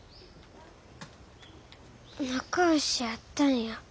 仲良しやったんや。